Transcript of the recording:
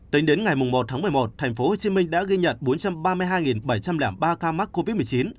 tính đến ngày một tháng một mươi một thành phố hồ chí minh đã ghi nhận bốn trăm ba mươi hai bảy trăm linh ba ca mắc covid một mươi chín